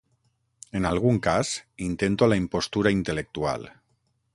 En algun cas, intento la impostura intel·lectual.